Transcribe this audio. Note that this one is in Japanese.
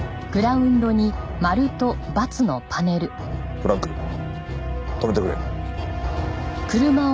ブランク止めてくれ。